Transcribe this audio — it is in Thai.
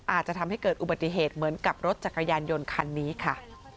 อาจจะทำให้เกิดอุบัติเหตุเหมือนกับรถจักรยานยนต์คันนี้ค่ะ